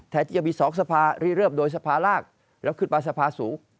ที่จะมี๒สภารีเริ่มโดยสภาลากแล้วขึ้นมาสภาสูง